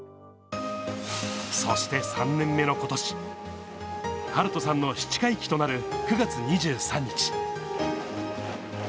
そして３年目のことし、晴斗さんの七回忌となる９月２３日。